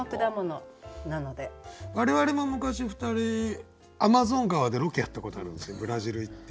我々も昔２人アマゾン川でロケやったことあるんですけどブラジル行って。